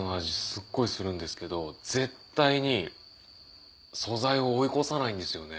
すっごいするんですけど絶対に素材を追い越さないんですよね。